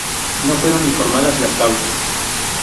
No fueron informadas las causas.